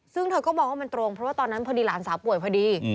ซึ่งเธอก็มองว่ามันตรงเพราะว่าตอนนั้นพอดีหลานสาวป่วยพอดี